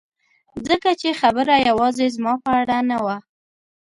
ځکه چې خبره یوازې زما په اړه نه وه